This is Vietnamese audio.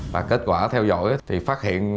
và kết quả theo dõi thì phát hiện